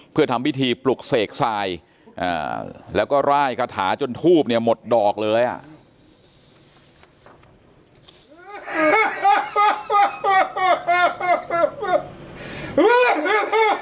เพื่อทำพิธีปลุกเสกทรายแล้วก็ร่ายคาถาจนทูบเนี่ยหมดดอกเลยอ่ะ